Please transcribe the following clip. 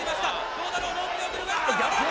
どうだろう？